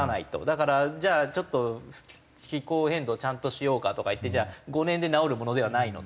だからじゃあちょっと気候変動ちゃんとしようかとかいって５年で直るものではないので。